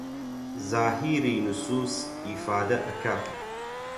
زاهیری نوسووس ئیفادە ئەکا